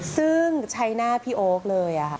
ซึ่งใช้หน้าพี่โอ๊คเลย